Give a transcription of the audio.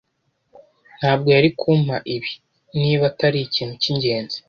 ntabwo yari kumpa ibi niba atari ikintu cyingenzi.